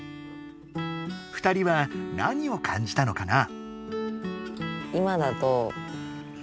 ２人は何を感じたのかな？